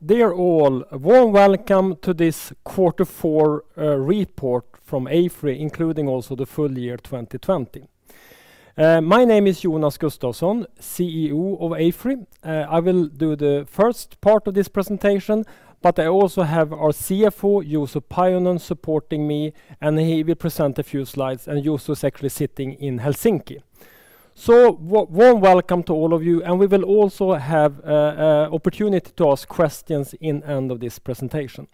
Dear all, warm welcome to this Quarter four report from AFRY, including also the full year 2020. My name is Jonas Gustavsson, CEO of AFRY. I will do the first part of this presentation, but I also have our CFO, Juuso Pajunen, supporting me, and he will present a few slides. Juuso is actually sitting in Helsinki. Warm welcome to all of you, and we will also have opportunity to ask questions in end of this presentation.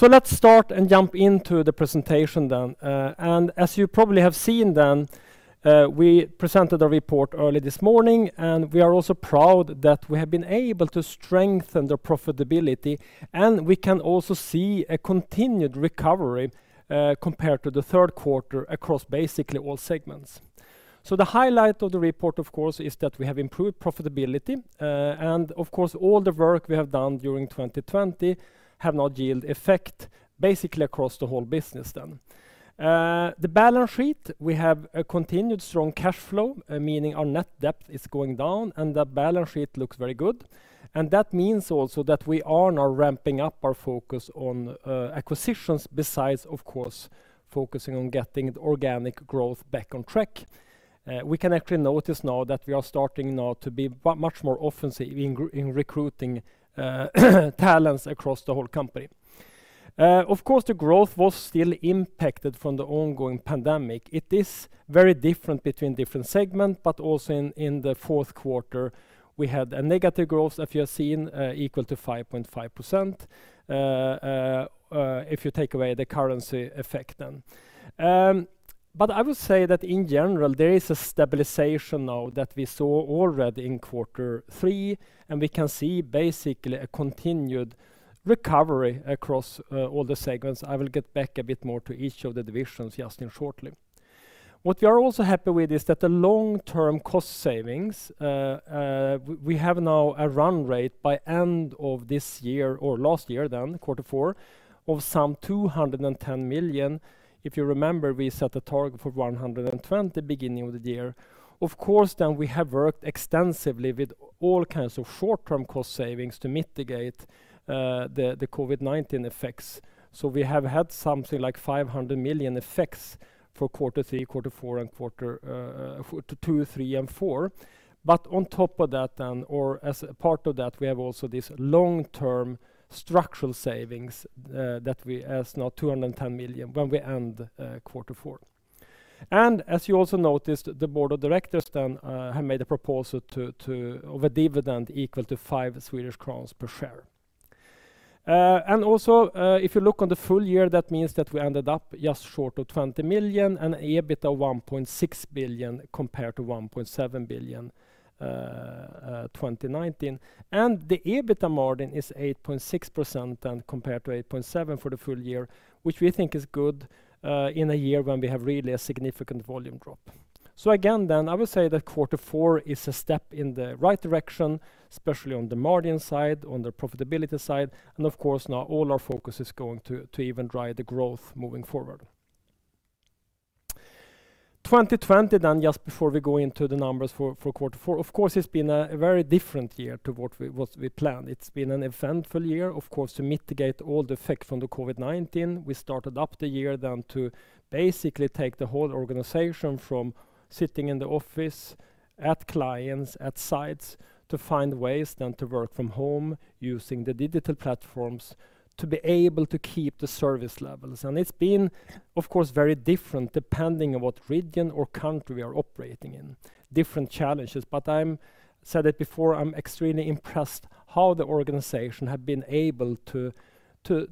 Let's start and jump into the presentation then. As you probably have seen then, we presented a report early this morning, and we are also proud that we have been able to strengthen the profitability, and we can also see a continued recovery, compared to the third quarter, across basically all segments. The highlight of the report, of course, is that we have improved profitability. Of course, all the work we have done during 2020 have now yield effect, basically across the whole business then. The balance sheet, we have a continued strong cash flow, meaning our net debt is going down, and that balance sheet looks very good. That means also that we are now ramping up our focus on acquisitions besides, of course, focusing on getting the organic growth back on track. We can actually notice now that we are starting now to be much more offensive in recruiting talents across the whole company. Of course, the growth was still impacted from the ongoing pandemic. It is very different between different segment, but also in the fourth quarter, we had a negative growth of, you have seen, equal to 5.5%, if you take away the currency effect then. I would say that in general, there is a stabilization now that we saw already in quarter three, and we can see basically a continued recovery across all the segments. I will get back a bit more to each of the divisions just in shortly. What we are also happy with is that the long-term cost savings, we have now a run rate by end of this year, or last year then, quarter four, of some 210 million. If you remember, we set a target for 120 million beginning of the year. Of course, we have worked extensively with all kinds of short-term cost savings to mitigate the COVID-19 effects. We have had something like 500 million effects for quarter three, quarter four, and quarter two, three, and four. On top of that, or as a part of that, we have also this long-term structural savings that we as now 210 million when we end quarter four. As you also noticed, the board of directors have made a proposal of a dividend equal to 5 Swedish crowns per share. Also, if you look on the full year, that means that we ended up just short of 20 million and EBIT of 1.6 billion compared to 1.7 billion 2019. The EBIT margin is 8.6% compared to 8.7% for the full year, which we think is good, in a year when we have really a significant volume drop. Again, I would say that quarter four is a step in the right direction, especially on the margin side, on the profitability side. Of course now all our focus is going to even drive the growth moving forward. 2020, just before we go into the numbers for quarter four. Of course, it's been a very different year to what we planned. It's been an eventful year. Of course, to mitigate all the effect from the COVID-19, we started up the year then to basically take the whole organization from sitting in the office at clients, at sites, to find ways then to work from home using the digital platforms to be able to keep the service levels. It's been, of course, very different depending on what region or country we are operating in, different challenges. I've said it before, I'm extremely impressed how the organization have been able to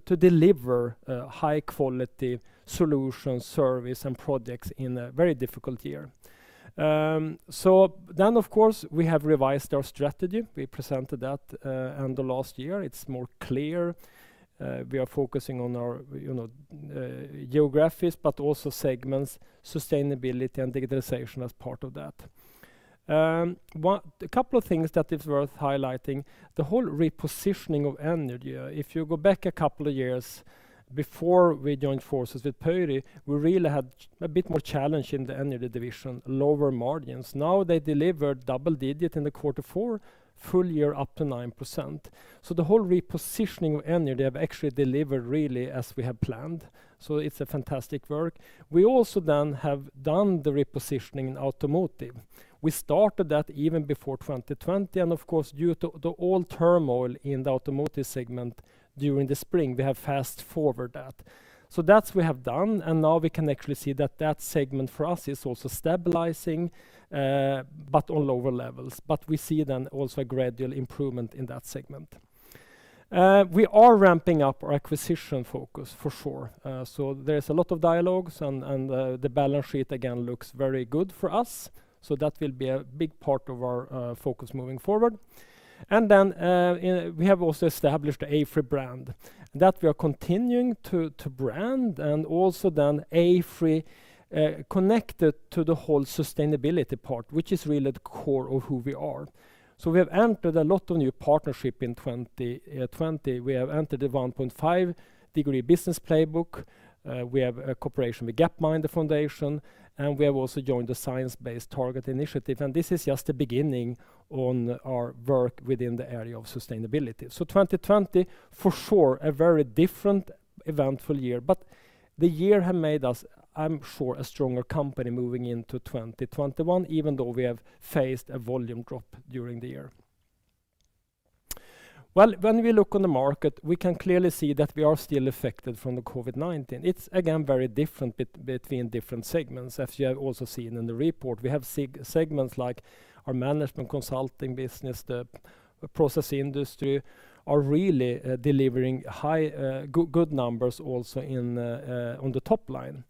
deliver high quality solutions, service, and projects in a very difficult year. Of course, we have revised our strategy. We presented that end of last year. It's more clear. We are focusing on our geographics, but also segments, sustainability, and digitalization as part of that. A couple of things that is worth highlighting, the whole repositioning of Energy. If you go back a couple of years before we joined forces with Pöyry, we really had a bit more challenge in the Energy division, lower margins. Now they delivered double digit in the quarter four, full year up to 9%. The whole repositioning of Energy have actually delivered really as we have planned. It's a fantastic work. We also have done the repositioning in automotive. We started that even before 2020, and of course, due to the all turmoil in the automotive segment during the spring, we have fast-forward that. That we have done, and now we can actually see that that segment for us is also stabilizing, but on lower levels. We see then also a gradual improvement in that segment. We are ramping up our acquisition focus for sure. There's a lot of dialogues and the balance sheet again looks very good for us. That will be a big part of our focus moving forward. We have also established the AFRY brand. That we are continuing to brand and also then AFRY connected to the whole sustainability part, which is really the core of who we are. We have entered a lot of new partnership in 2020. We have entered the 1.5°C Business Playbook. We have a cooperation with Gapminder Foundation. We have also joined the Science Based Targets initiative. This is just the beginning on our work within the area of sustainability. 2020 for sure, a very different eventful year, but the year have made us, I'm sure, a stronger company moving into 2021, even though we have faced a volume drop during the year. When we look on the market, we can clearly see that we are still affected from the COVID-19. It's, again, very different between different segments, as you have also seen in the report. We have segments like our Management Consulting business, the Process Industries are really delivering high good numbers also on the top line.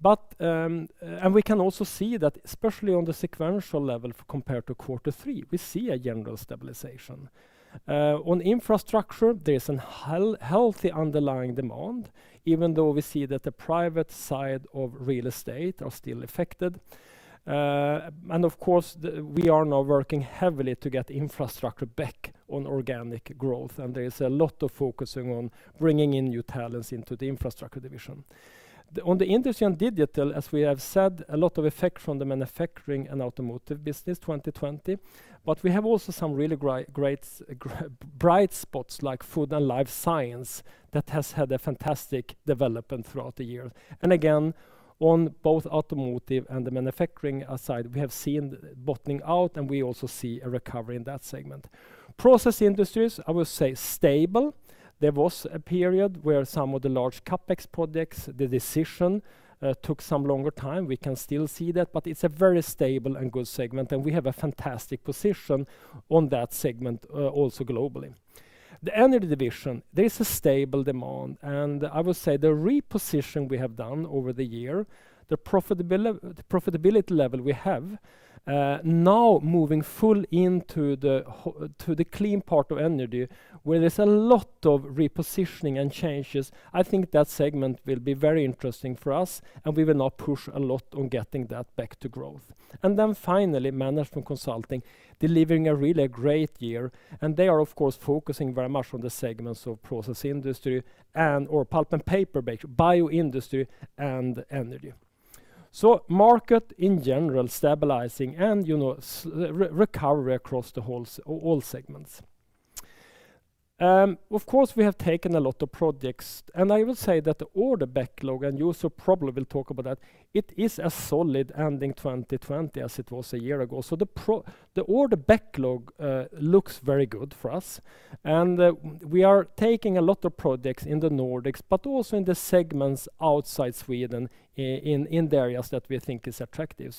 We can also see that especially on the sequential level compared to quarter three, we see a general stabilization. On Infrastructure, there is a healthy underlying demand, even though we see that the private side of real estate are still affected. Of course, we are now working heavily to get Infrastructure back on organic growth, and there is a lot of focusing on bringing in new talents into the Infrastructure division. On the Industrial & Digital Solutions, as we have said, a lot of effect from the manufacturing and automotive business 2020, we have also some really great bright spots like food and life science that has had a fantastic development throughout the year. Again, on both automotive and the manufacturing side, we have seen bottoming out, and we also see a recovery in that segment. Process Industries, I would say stable. There was a period where some of the large CapEx projects, the decision took some longer time. We can still see that, but it's a very stable and good segment, and we have a fantastic position on that segment, also globally. The Energy Division, there is a stable demand, and I would say the reposition we have done over the year, the profitability level we have, now moving full into the clean part of energy, where there's a lot of repositioning and changes. I think that segment will be very interesting for us, and we will now push a lot on getting that back to growth. Finally, Management Consulting, delivering a really great year, and they are, of course, focusing very much on the segments of Process Industries and/or pulp and paper-based bioindustry and energy. Market, in general, stabilizing and recovery across all segments. Of course, we have taken a lot of projects. I will say that the order backlog, Juuso probably will talk about that, it is a solid ending 2020 as it was a year ago. The order backlog looks very good for us. We are taking a lot of projects in the Nordics, but also in the segments outside Sweden in the areas that we think is attractive.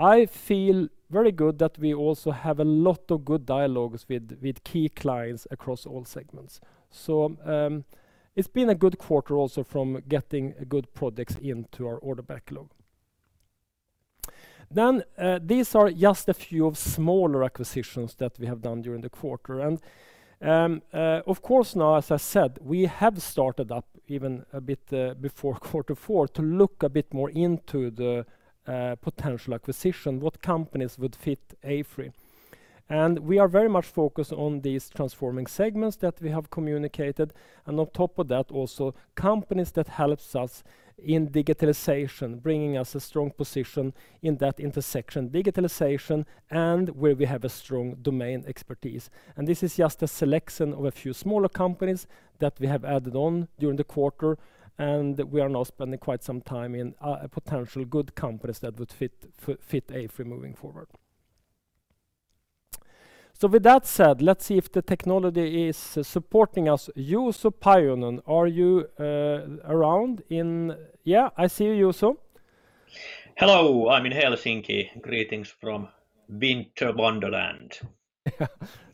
I feel very good that we also have a lot of good dialogues with key clients across all segments. These are just a few of smaller acquisitions that we have done during the quarter. Of course, now, as I said, we have started up even a bit before quarter four to look a bit more into the potential acquisition, what companies would fit AFRY. We are very much focused on these transforming segments that we have communicated. On top of that, also companies that helps us in digitalization, bringing us a strong position in that intersection, digitalization and where we have a strong domain expertise. This is just a selection of a few smaller companies that we have added on during the quarter, and we are now spending quite some time in potential good companies that would fit AFRY moving forward. With that said, let's see if the technology is supporting us. Juuso Pajunen, are you around? Yeah, I see you, Juuso. Hello, I'm in Helsinki. Greetings from winter wonderland.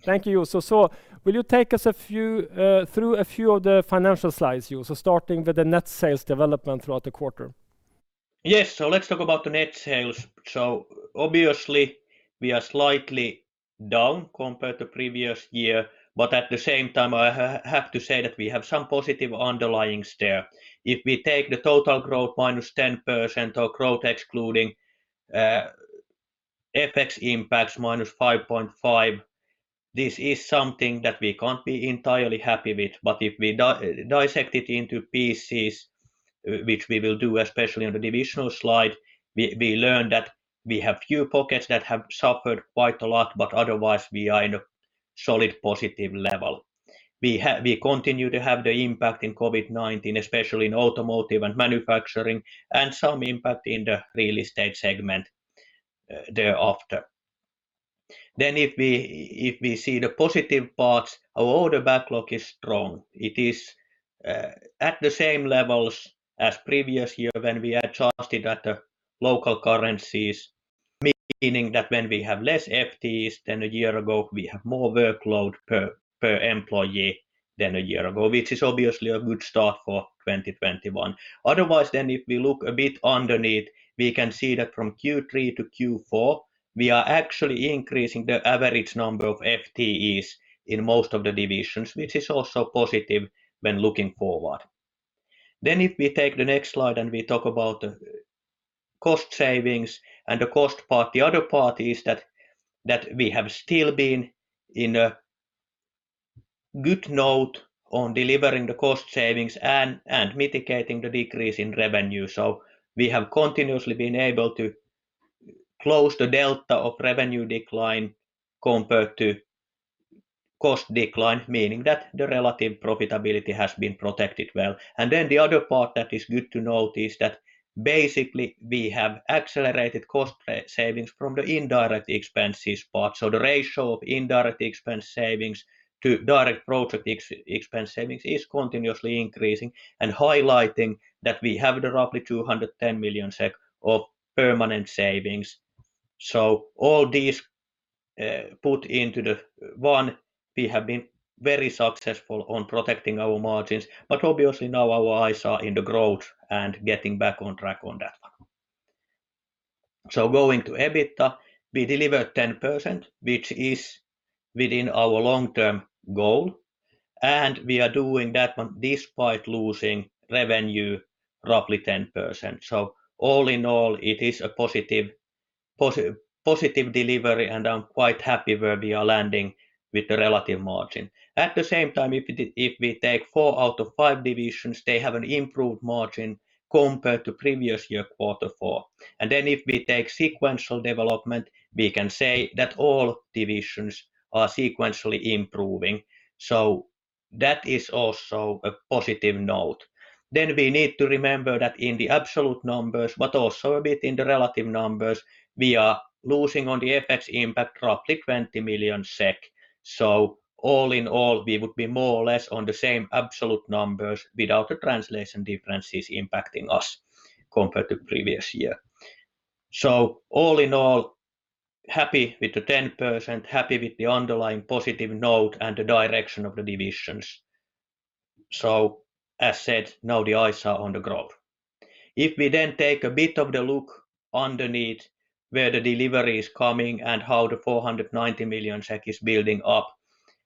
Thank you, Juuso. Will you take us through a few of the financial slides, Juuso, starting with the net sales development throughout the quarter? Yes, let's talk about the net sales. Obviously, we are slightly down compared to previous year, but at the same time, I have to say that we have some positive underlyings there. If we take the total growth -10% or growth excluding FX impacts -5.5%, this is something that we can't be entirely happy with. If we dissect it into pieces, which we will do, especially on the divisional slide, we learn that we have few pockets that have suffered quite a lot, but otherwise, we are in a solid positive level. We continue to have the impact in COVID-19, especially in automotive and manufacturing, and some impact in the real estate segment thereafter. If we see the positive parts, our order backlog is strong. It is at the same levels as previous year when we adjusted at the local currencies, meaning that when we have less FTEs than a year ago, we have more workload per employee than a year ago, which is obviously a good start for 2021. Otherwise, if we look a bit underneath, we can see that from Q3 to Q4, we are actually increasing the average number of FTEs in most of the divisions, which is also positive when looking forward. If we take the next slide, we talk about the cost savings and the cost part, the other part is that we have still been in a good note on delivering the cost savings and mitigating the decrease in revenue. We have continuously been able to close the delta of revenue decline compared to cost decline, meaning that the relative profitability has been protected well. The other part that is good to note is that we have accelerated cost savings from the indirect expenses part. The ratio of indirect expense savings to direct project expense savings is continuously increasing and highlighting that we have roughly SEK 210 million of permanent savings. All these put into the one, we have been very successful on protecting our margins. Obviously now our eyes are in the growth and getting back on track on that one. Going to EBITDA, we delivered 10%, which is within our long-term goal, and we are doing that one despite losing revenue roughly 10%. All in all, it is a positive delivery, and I'm quite happy where we are landing with the relative margin. At the same time, if we take four out of five divisions, they have an improved margin compared to previous year quarter four. If we take sequential development, we can say that all divisions are sequentially improving. That is also a positive note. We need to remember that in the absolute numbers, but also a bit in the relative numbers, we are losing on the FX impact roughly 20 million SEK. All in all, we would be more or less on the same absolute numbers without the translation differences impacting us compared to previous year. All in all, happy with the 10%, happy with the underlying positive note and the direction of the divisions. As said, now the eyes are on the growth. If we take a bit of the look underneath where the delivery is coming and how the 490 million is building up,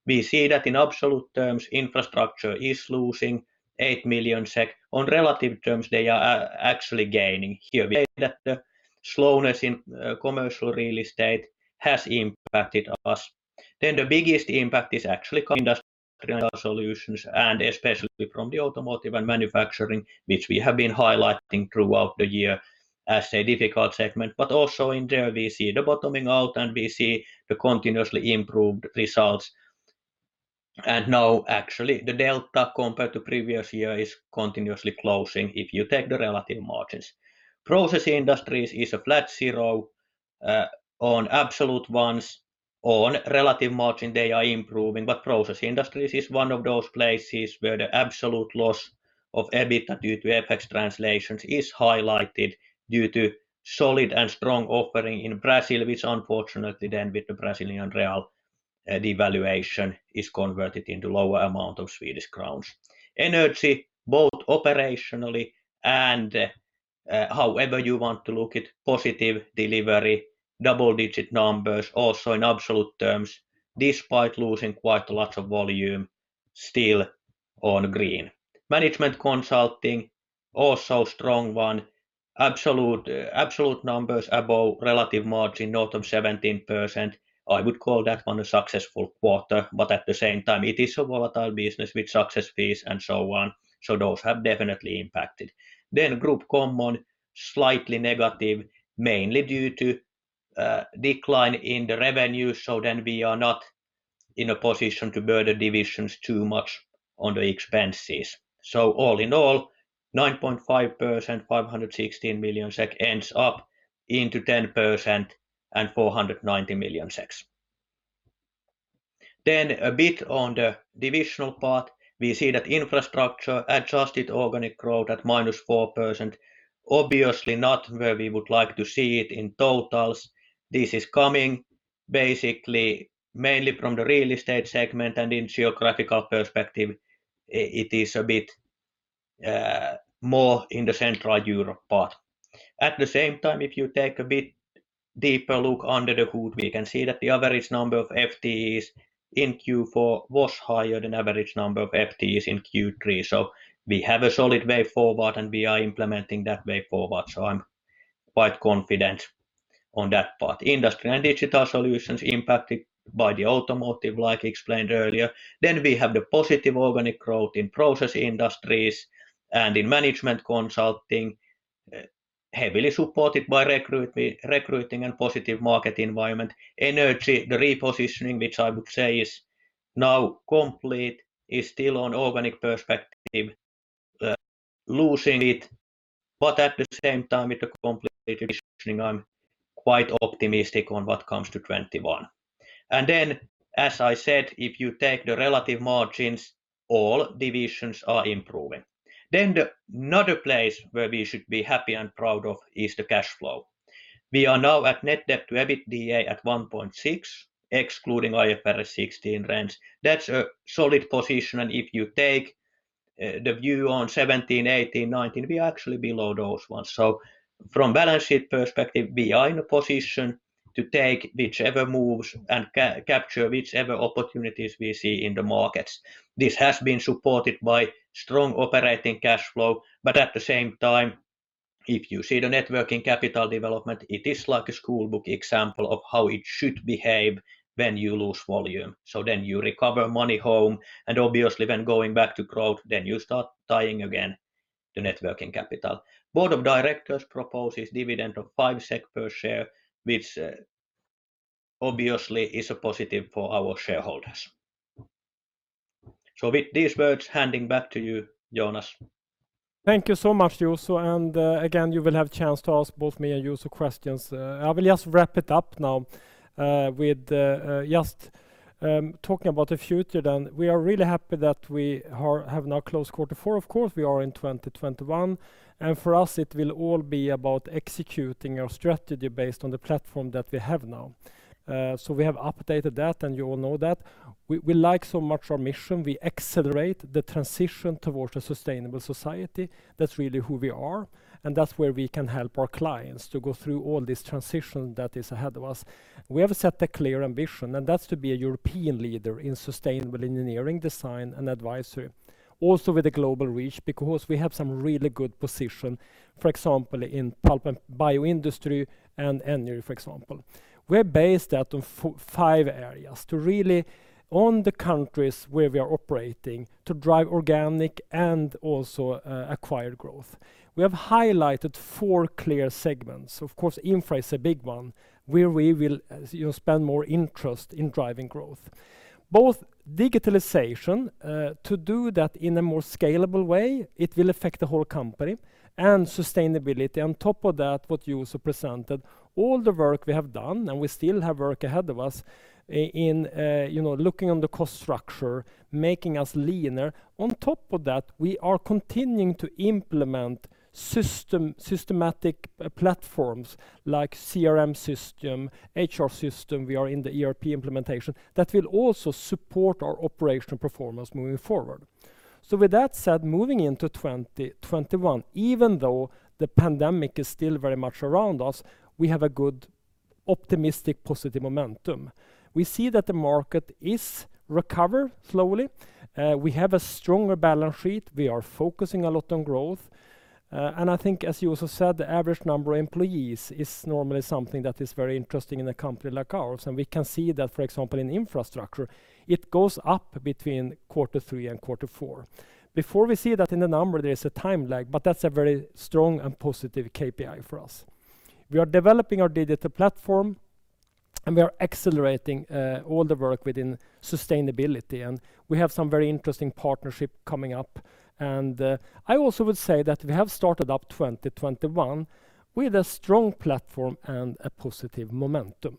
we see that in absolute terms, Infrastructure is losing 8 million SEK. On relative terms, they are actually gaining here. We say that the slowness in commercial real estate has impacted us. The biggest impact is actually Industrial & Digital Solutions, and especially from the automotive and manufacturing, which we have been highlighting throughout the year as a difficult segment. Also in there, we see the bottoming out, and we see the continuously improved results. Now actually, the delta compared to previous year is continuously closing if you take the relative margins. Process Industries is a flat zero, on absolute ones. On relative margin, they are improving. Process Industries is one of those places where the absolute loss of EBITDA due to FX translations is highlighted due to solid and strong offering in Brazil, which unfortunately then with the Brazilian real devaluation is converted into lower amount of SEK. Energy, both operationally and however you want to look it, positive delivery, double-digit numbers also in absolute terms, despite losing quite lots of volume, still on green. Management Consulting, also strong one. Absolute numbers above relative margin north of 17%. I would call that one a successful quarter, but at the same time, it is a volatile business with success fees and so on. Those have definitely impacted. Group Common, slightly negative, mainly due to decline in the revenue. We are not in a position to burden divisions too much on the expenses. All in all, 9.5%, 516 million SEK ends up into 10% and 490 million. A bit on the divisional part. We see that Infrastructure adjusted organic growth at -4%. Obviously not where we would like to see it in totals. This is coming basically mainly from the real estate segment, and in geographical perspective, it is a bit more in the Central Europe part. At the same time, if you take a bit deeper look under the hood, we can see that the average number of FTEs in Q4 was higher than average number of FTEs in Q3. We have a solid way forward, and we are implementing that way forward. I'm quite confident on that part. Industrial & Digital Solutions impacted by the automotive, like explained earlier. We have the positive organic growth in Process Industries and in Management Consulting, heavily supported by recruiting and positive market environment. Energy, the repositioning, which I would say is now complete, is still on organic perspective, losing it, but at the same time, with the complete repositioning, I'm quite optimistic on what comes to 2021. As I said, if you take the relative margins, all divisions are improving. Another place where we should be happy and proud of is the cash flow. We are now at net debt to EBITDA at 1.6, excluding IFRS 16 rents. That's a solid position, and if you take the view on 2017, 2018, 2019, we are actually below those ones. From balance sheet perspective, we are in a position to take whichever moves and capture whichever opportunities we see in the markets. This has been supported by strong operating cash flow, at the same time, if you see the net working capital development, it is like a schoolbook example of how it should behave when you lose volume. You recover money home, obviously when going back to growth, then you start tying again the net working capital. Board of directors proposes dividend of 5 SEK per share, which obviously is a positive for our shareholders. With these words, handing back to you, Jonas. Thank you so much, Juuso. Again, you will have chance to ask both me and Juuso questions. I will just wrap it up now with just talking about the future then. We are really happy that we have now closed quarter four. Of course, we are in 2021, and for us it will all be about executing our strategy based on the platform that we have now. We have updated that, and you all know that. We like so much our mission. We accelerate the transition towards a sustainable society. That's really who we are, and that's where we can help our clients to go through all this transition that is ahead of us. We have set a clear ambition, and that's to be a European leader in sustainable engineering design and advisory, also with a global reach, because we have some really good position, for example, in pulp and bio industry and energy, for example. We are based out of five areas to really, on the countries where we are operating, to drive organic and also acquired growth. We have highlighted four clear segments. Of course, Infrastructure is a big one where we will spend more interest in driving growth. Both digitalization, to do that in a more scalable way, it will affect the whole company, and sustainability. On top of that, what Juuso presented, all the work we have done, and we still have work ahead of us in looking on the cost structure, making us leaner. On top of that, we are continuing to implement systematic platforms like CRM system, HR system. We are in the ERP implementation. That will also support our operational performance moving forward. With that said, moving into 2021, even though the pandemic is still very much around us, we have a good, optimistic, positive momentum. We see that the market is recover slowly. We have a stronger balance sheet. We are focusing a lot on growth. I think, as Juuso said, the average number of employees is normally something that is very interesting in a company like ours, and we can see that, for example, in Infrastructure, it goes up between quarter three and quarter four. Before we see that in the number, there is a time lag, but that's a very strong and positive KPI for us. We are developing our digital platform, we are accelerating all the work within sustainability, we have some very interesting partnership coming up. I also would say that we have started up 2021 with a strong platform and a positive momentum.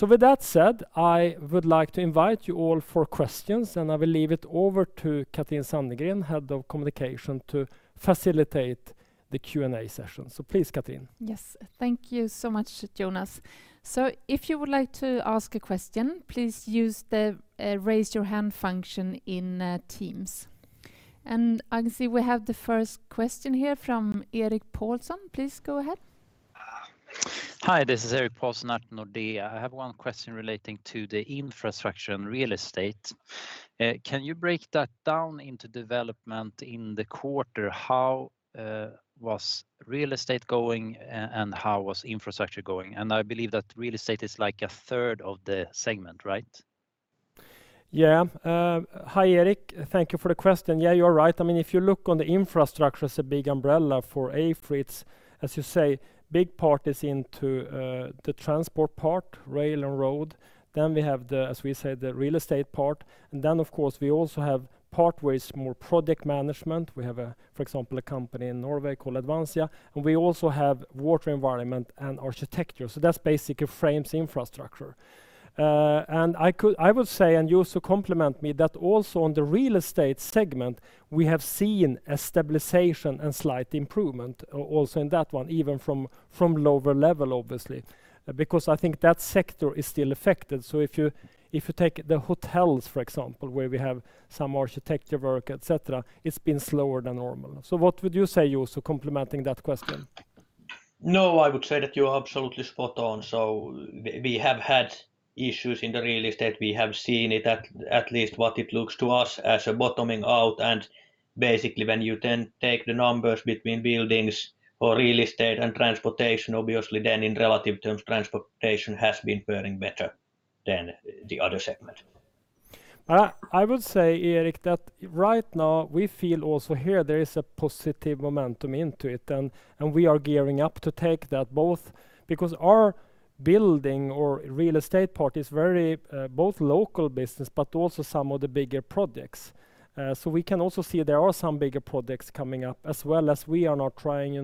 With that said, I would like to invite you all for questions, I will leave it over to Cathrine Sandegren, Head of Communications to facilitate the Q&A session. Please, Cathrine. Yes. Thank you so much, Jonas. If you would like to ask a question, please use the "Raise Your Hand" function in Teams. I can see we have the first question here from Erik Paulsson. Please go ahead. Hi, this is Erik Paulsson at Nordea. I have one question relating to the Infrastructure and real estate. Can you break that down into development in the quarter? How was real estate going, and how was Infrastructure going? I believe that real estate is like a third of the segment, right? Yeah. Hi, Erik. Thank you for the question. Yeah, you're right. If you look on the infrastructure as a big umbrella for AFRY, it's, as you say, big part is into the transport part, rail and road. We have the, as we said, the real estate part. Of course, we also have part where it's more project management. We have, for example, a company in Norway called Advansia, and we also have water environment and architecture. That's basically frames infrastructure. I would say, and Juuso complement me, that also on the real estate segment, we have seen a stabilization and slight improvement also in that one, even from lower level, obviously. I think that sector is still affected. If you take the hotels, for example, where we have some architecture work, et cetera, it's been slower than normal. What would you say, Juuso, complementing that question? No, I would say that you're absolutely spot on. We have had issues in the real estate. We have seen it at least what it looks to us as a bottoming out, when you take the numbers between buildings or real estate and transportation, obviously in relative terms, transportation has been faring better than the other segment. I would say, Erik, that right now we feel also here there is a positive momentum into it, and we are gearing up to take that, both because our building or real estate part is very both local business, but also some of the bigger projects. We can also see there are some bigger projects coming up as well as we are now trying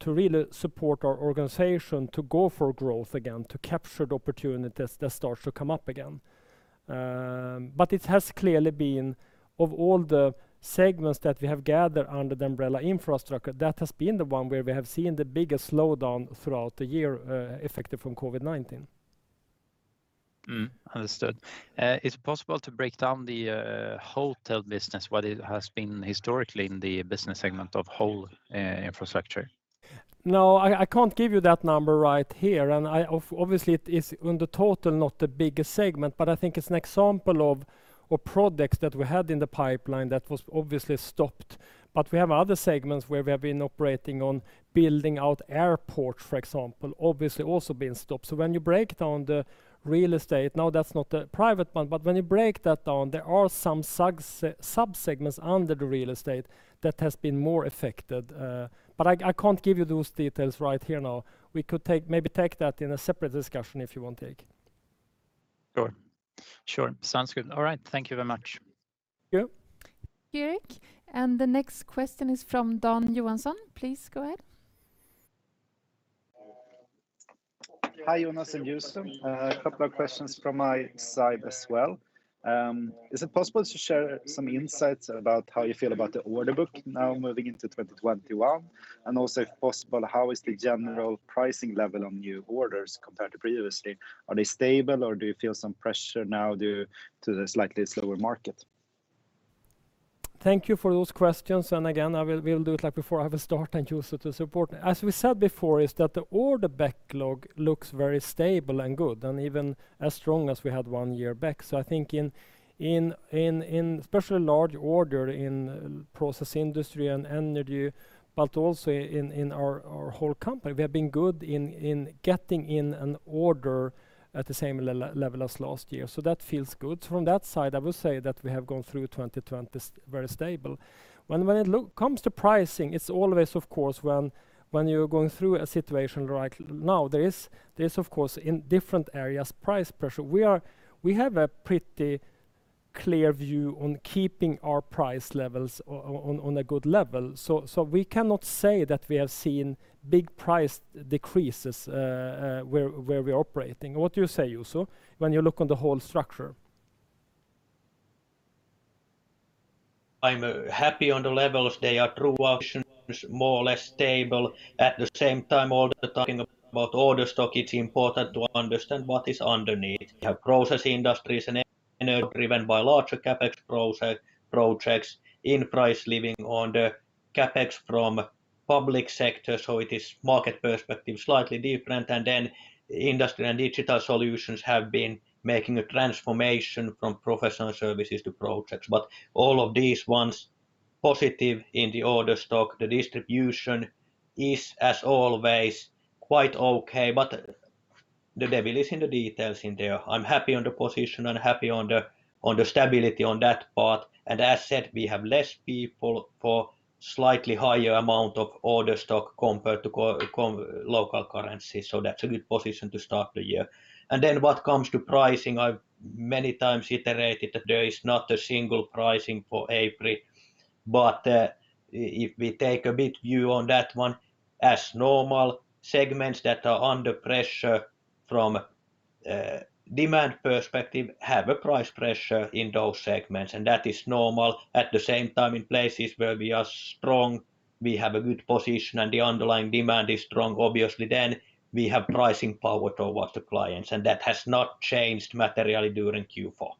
to really support our organization to go for growth again, to capture the opportunities that start to come up again. It has clearly been, of all the segments that we have gathered under the umbrella Infrastructure, that has been the one where we have seen the biggest slowdown throughout the year, affected from COVID-19. Understood. Is it possible to break down the hotel business, what it has been historically in the business segment of whole Infrastructure? No, I can't give you that number right here. Obviously it is, on the total, not the biggest segment. I think it's an example of products that we had in the pipeline that was obviously stopped. We have other segments where we have been operating on building out airport, for example, obviously also been stopped. When you break down the real estate, now that's not the private one. When you break that down, there are some sub-segments under the real estate that has been more affected. I can't give you those details right here now. We could maybe take that in a separate discussion if you want. Sure. Sounds good. All right. Thank you very much. Yeah. ...Erik. The next question is from Dan Johansson. Please go ahead. Hi, Jonas and Juuso. A couple of questions from my side as well. Is it possible to share some insights about how you feel about the order book now moving into 2021? Also, if possible, how is the general pricing level on new orders compared to previously? Are they stable, or do you feel some pressure now due to the slightly slower market? Thank you for those questions. Again, we'll do it like before. I will start and Juuso to support. As we said before, is that the order backlog looks very stable and good, and even as strong as we had one year back. I think in especially large order in Process Industries and Energy, but also in our whole company, we have been good in getting in an order at the same level as last year. That feels good. From that side, I would say that we have gone through 2020 very stable. When it comes to pricing, it's always, of course, when you're going through a situation right now, there's of course, in different areas, price pressure. We have a pretty clear view on keeping our price levels on a good level. We cannot say that we have seen big price decreases where we're operating. What do you say, Juuso, when you look on the whole structure? I'm happy on the levels. They are through more or less stable. At the same time, all the time about order stock, it's important to understand what is underneath. We have Process Industries and driven by larger CapEx projects in price living on the CapEx from public sector. It is market perspective, slightly different. Then Industrial & Digital Solutions have been making a transformation from professional services to projects. All of these ones, positive in the order stock. The distribution is, as always, quite okay, but the devil is in the details in there. I'm happy on the position and happy on the stability on that part. As said, we have less people for slightly higher amount of order stock compared to local currency. That's a good position to start the year. What comes to pricing, I've many times iterated that there is not a single pricing for AFRY. If we take a bit view on that one, as normal, segments that are under pressure from a demand perspective have a price pressure in those segments, and that is normal. At the same time, in places where we are strong, we have a good position and the underlying demand is strong. Obviously, we have pricing power towards the clients, and that has not changed materially during Q4.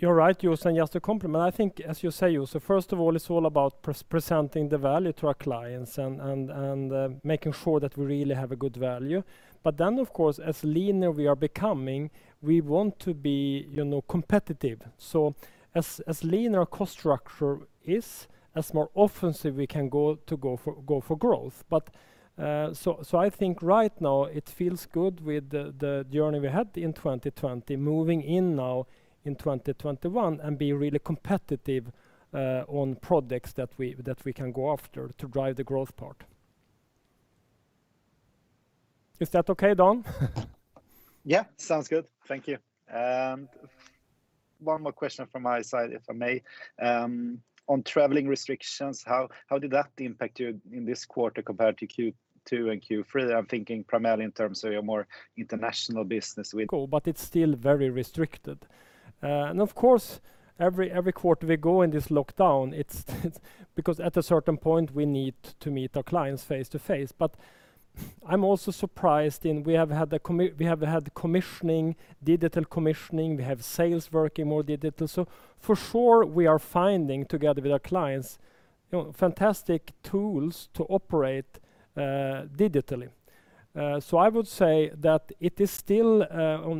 You're right, Juuso. Just to complement, I think as you say, Juuso, first of all, it's all about presenting the value to our clients and making sure that we really have a good value. Of course, as leaner we are becoming, we want to be competitive. As lean our cost structure is, as more offensive we can go for growth. I think right now it feels good with the journey we had in 2020, moving in now in 2021, and be really competitive on projects that we can go after to drive the growth part. Is that okay, Dan? Sounds good. Thank you. One more question from my side, if I may. On traveling restrictions, how did that impact you in this quarter compared to Q2 and Q3? I'm thinking primarily in terms of your more international business with... Cool, it's still very restricted. Of course, every quarter we go in this lockdown, because at a certain point, we need to meet our clients face-to-face. I'm also surprised, we have had the commissioning, digital commissioning. We have sales working more digital. For sure, we are finding, together with our clients, fantastic tools to operate digitally. I would say that it is still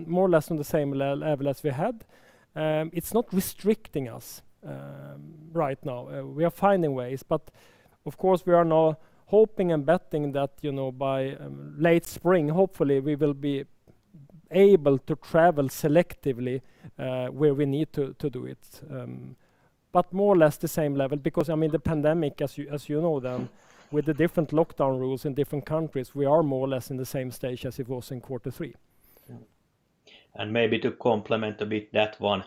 more or less on the same level as we had. It's not restricting us right now. We are finding ways, but of course, we are now hoping and betting that by late spring, hopefully, we will be able to travel selectively where we need to do it. More or less the same level because, I mean, the pandemic, as you know, Dan, with the different lockdown rules in different countries, we are more or less in the same stage as it was in quarter three. Maybe to complement a bit that one,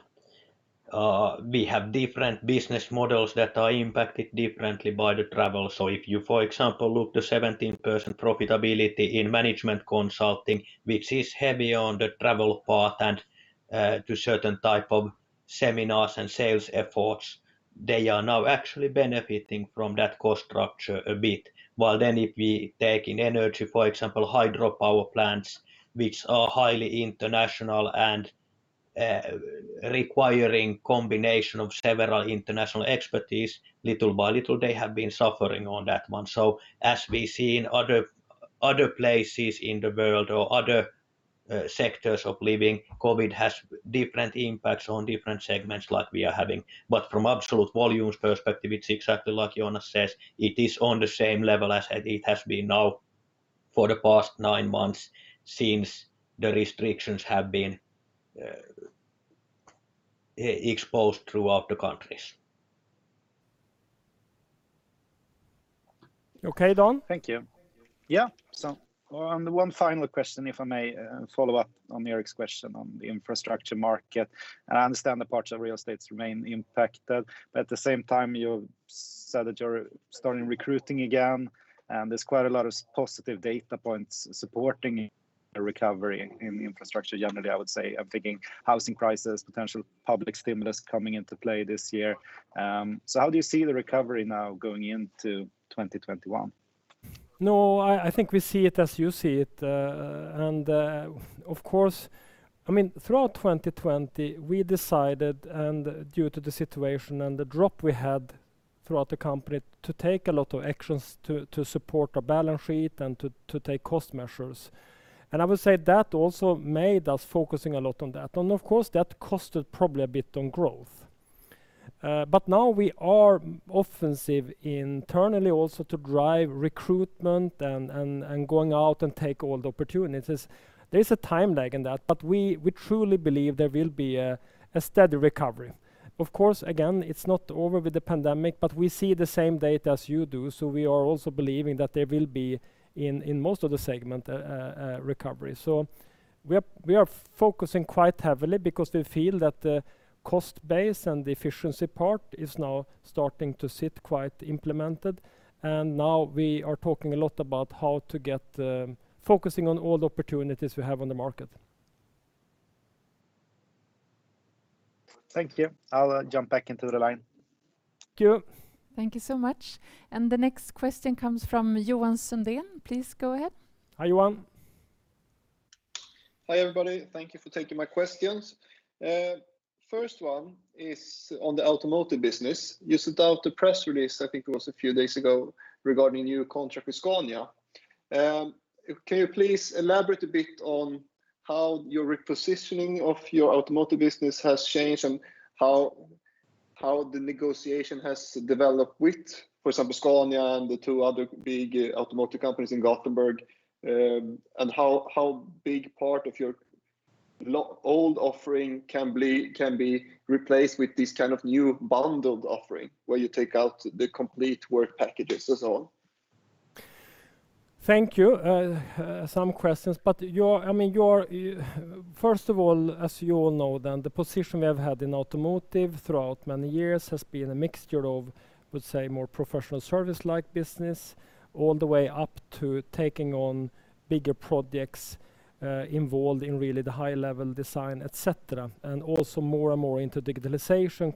we have different business models that are impacted differently by the travel. If you, for example, look the 17% profitability in Management Consulting, which is heavy on the travel part and to certain type of seminars and sales efforts, they are now actually benefiting from that cost structure a bit. If we take in Energy, for example, hydropower plants, which are highly international and requiring combination of several international expertise, little by little, they have been suffering on that one. As we see in other places in the world or other sectors of living, COVID has different impacts on different segments like we are having. From absolute volumes perspective, it's exactly like Jonas says. It is on the same level as it has been now for the past nine months since the restrictions have been exposed throughout the countries. Okay, Dan? Thank you. One final question, if I may follow up on Erik's question on the infrastructure market. I understand the parts of real estates remain impacted. At the same time, you said that you're starting recruiting again. There's quite a lot of positive data points supporting a recovery in infrastructure generally, I would say. I'm thinking housing crisis, potential public stimulus coming into play this year. How do you see the recovery now going into 2021? No, I think we see it as you see it. Throughout 2020, we decided, due to the situation and the drop we had throughout the company, to take a lot of actions to support our balance sheet and to take cost measures. I would say that also made us focusing a lot on that. Of course, that costed probably a bit on growth. Now we are offensive internally also to drive recruitment and going out and take all the opportunities. There's a time lag in that, but we truly believe there will be a steady recovery. Of course, again, it's not over with the pandemic, but we see the same data as you do, so we are also believing that there will be, in most of the segment, a recovery. We are focusing quite heavily because we feel that the cost base and the efficiency part is now starting to sit quite implemented, and now we are talking a lot about how to get focusing on all the opportunities we have on the market. Thank you. I'll jump back into the line. Thank you. Thank you so much. The next question comes from Johan Sundén. Please go ahead. Hi, Johan. Hi, everybody. Thank you for taking my questions. First one is on the automotive business. You sent out a press release, I think it was a few days ago, regarding a new contract with Scania. Can you please elaborate a bit on how your repositioning of your automotive business has changed and how the negotiation has developed with, for example, Scania and the two other big automotive companies in Gothenburg, and how big part of your old offering can be replaced with this kind of new bundled offering, where you take out the complete work packages and so on? Thank you. Some questions. First of all, as you all know, then the position we have had in automotive throughout many years has been a mixture of, would say, more professional service-like business, all the way up to taking on bigger projects involved in really the high-level design, et cetera, and also more and more into digitalization,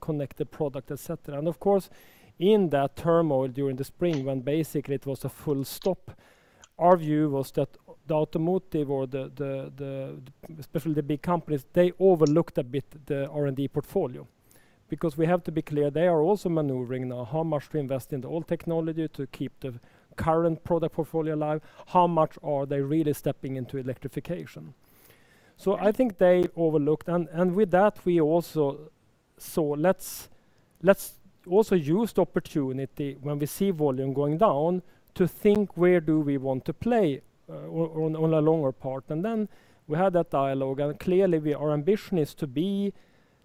connected product, et cetera. Of course, in that turmoil during the spring when basically it was a full stop, our view was that the automotive or especially the big companies, they overlooked a bit the R&D portfolio. We have to be clear, they are also maneuvering now how much to invest in the old technology to keep the current product portfolio alive, how much are they really stepping into electrification. I think they overlooked, and with that, we also saw, let's also use the opportunity when we see volume going down to think where do we want to play on a longer part. We had that dialogue, and clearly our ambition is to be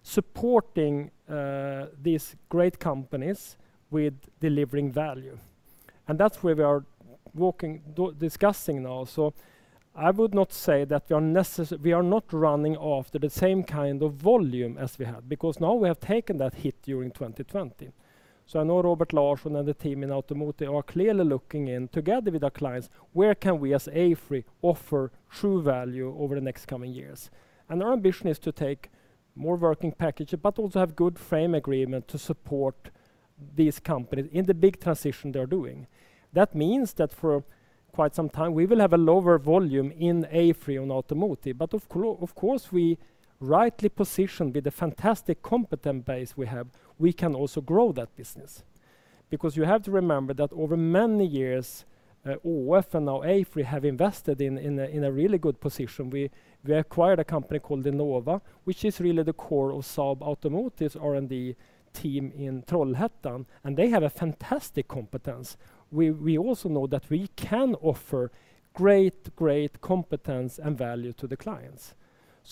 supporting these great companies with delivering value. That's where we are discussing now. I would not say that we are not running after the same kind of volume as we had, because now we have taken that hit during 2020. I know Robert Larsson and the team in automotive are clearly looking in, together with our clients, where can we as AFRY offer true value over the next coming years. Our ambition is to take more working packages, but also have good frame agreement to support these companies in the big transition they're doing. That means that for quite some time, we will have a lower volume in AFRY on automotive. Of course, we rightly positioned with the fantastic competent base we have, we can also grow that business. You have to remember that over many years, ÅF, and now AFRY, have invested in a really good position. We acquired a company called LeanNova, which is really the core of Saab Automobile's R&D team in Trollhättan, and they have a fantastic competence. We also know that we can offer great competence and value to the clients.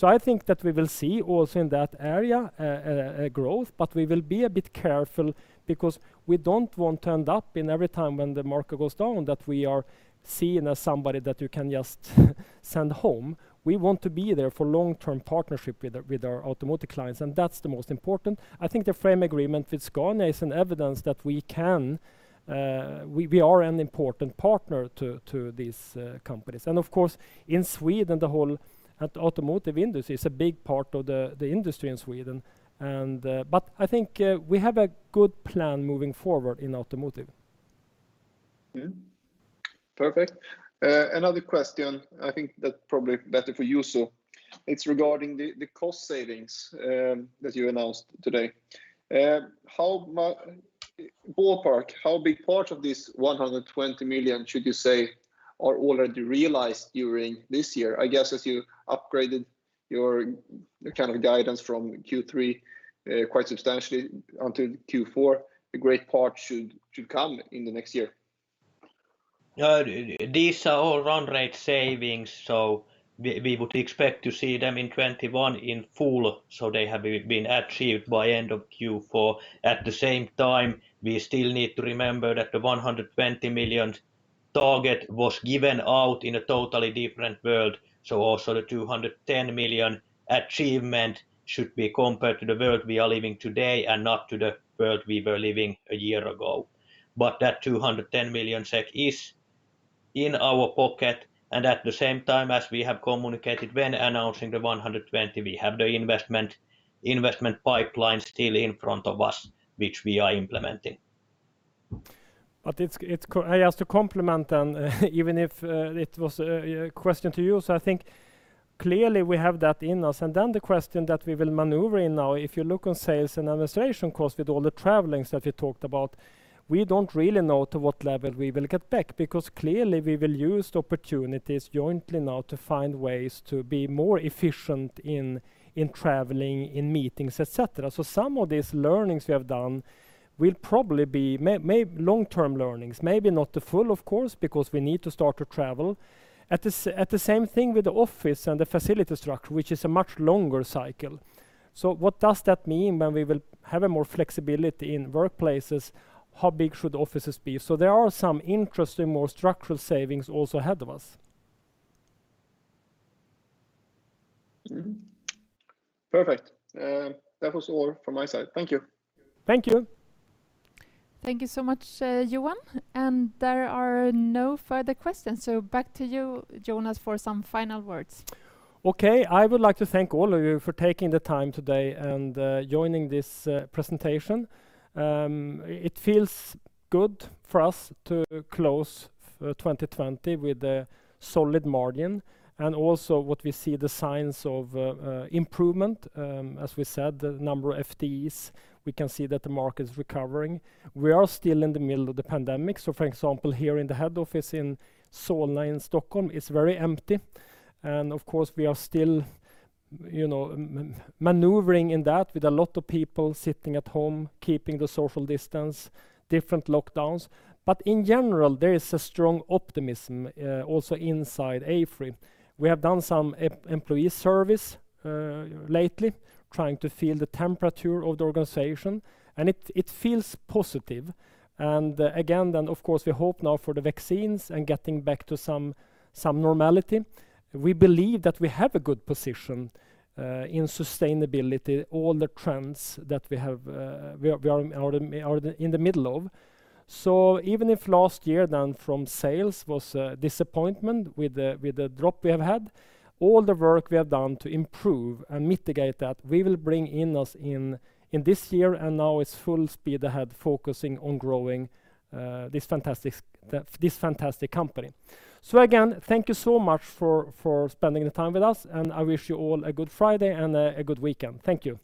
I think that we will see also in that area a growth, but we will be a bit careful because we don't want to end up in every time when the market goes down, that we are seen as somebody that you can just send home. We want to be there for long-term partnership with our automotive clients, and that's the most important. I think the frame agreement with Scania is an evidence that we are an important partner to these companies. Of course, in Sweden, the whole automotive industry is a big part of the industry in Sweden. I think we have a good plan moving forward in automotive. Perfect. Another question, I think that probably better for you, it's regarding the cost savings that you announced today. Ballpark, how big part of this 120 million, should you say, are already realized during this year? I guess as you upgraded your kind of guidance from Q3 quite substantially onto Q4, a great part should come in the next year. These are all run rate savings, we would expect to see them in 2021 in full. They have been achieved by end of Q4. At the same time, we still need to remember that the 120 million target was given out in a totally different world. Also the 210 million achievement should be compared to the world we are living today and not to the world we were living a year ago. That 210 million SEK is in our pocket, and at the same time as we have communicated when announcing the 120 million, we have the investment pipeline still in front of us, which we are implementing. I asked a compliment, even if it was a question to you. I think clearly we have that in us, the question that we will maneuver in now, if you look on sales and administration costs with all the travelings that we talked about, we don't really know to what level we will get back, because clearly we will use the opportunities jointly now to find ways to be more efficient in traveling, in meetings, et cetera. Some of these learnings we have done will probably be long-term learnings. Maybe not the full, of course, because we need to start to travel. At the same thing with the office and the facility structure, which is a much longer cycle. What does that mean when we will have a more flexibility in workplaces? How big should offices be? There are some interesting, more structural savings also ahead of us. Perfect. That was all from my side. Thank you. Thank you. Thank you so much, Johan. There are no further questions. Back to you, Jonas, for some final words. Okay. I would like to thank all of you for taking the time today and joining this presentation. It feels good for us to close 2020 with a solid margin and also what we see the signs of improvement. As we said, the number of FTEs, we can see that the market is recovering. We are still in the middle of the pandemic. For example, here in the head office in Solna, in Stockholm, it's very empty, and of course, we are still maneuvering in that with a lot of people sitting at home, keeping the social distance, different lockdowns. In general, there is a strong optimism also inside AFRY. We have done some employee surveys lately, trying to feel the temperature of the organization, and it feels positive. Again, of course, we hope now for the vaccines and getting back to some normality. We believe that we have a good position in sustainability, all the trends that we are in the middle of. Even if last year then from sales was a disappointment with the drop we have had, all the work we have done to improve and mitigate that, we will bring in us in this year, and now it's full speed ahead focusing on growing this fantastic company. Again, thank you so much for spending the time with us, and I wish you all a good Friday and a good weekend. Thank you.